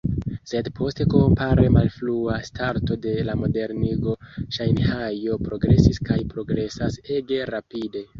Sed post kompare malfrua starto de la modernigo Ŝanhajo progresis kaj progresas ege rapide.